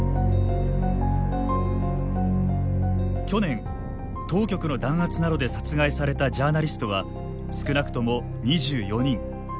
去年、当局の弾圧などで殺害されたジャーナリストは少なくとも２４人。